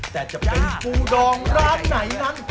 แต่จะเป็นปูดองร้านไหนนั้น